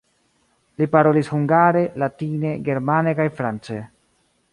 Li parolis hungare, latine, germane kaj france.